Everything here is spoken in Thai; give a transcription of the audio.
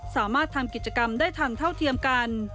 สามารถทำกิจกรรมได้ทันเท่าเทียมกัน